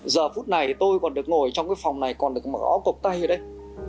giờ phút này tôi còn được ngồi trong cái phòng này còn được mặc áo cục tay ở đây